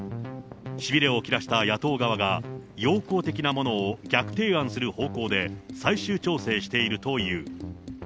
しびれを切らした野党側が、要綱的なものを逆提案する方向で最終調整しているという。